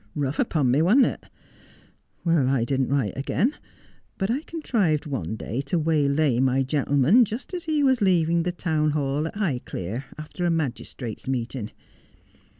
Eough upon me, wasn't it ? Well, I didn't write again : but I contrived one day to waylay my gentleman just as he was leav ing the Town Hall at Highclere after a magistrates' meeting.